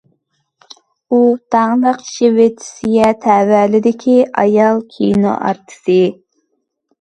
ئۇ داڭلىق شىۋېتسىيە تەۋەلىكىدىكى ئايال كىنو ئارتىسى.